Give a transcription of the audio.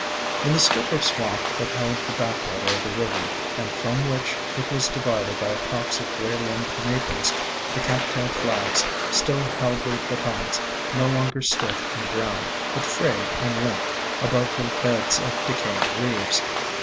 In the strip of swamp that held the backwater of the river, and from which it was divided by a copse of gray limbed Maples, the Cat tail Flags still held their batons, no longer stiff and brown, but frayed and limp, above the beds of decaying leaves.